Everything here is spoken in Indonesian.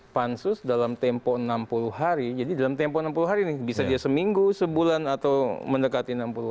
pansus dalam tempo enam puluh hari jadi dalam tempo enam puluh hari ini bisa dia seminggu sebulan atau mendekati enam puluh hari